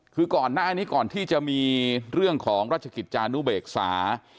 คือก่อนหน้านี้ก่อนที่จะมีเรื่องของราชกิจจานุเบกษา